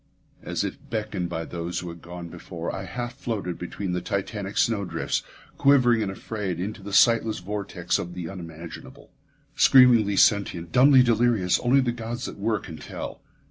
As if beckoned by those who had gone before, I half floated between the titanic snowdrifts, quivering and afraid, into the sightless vortex of the unimaginable. Screamingly sentient, dumbly delirious, only the gods that were can tell.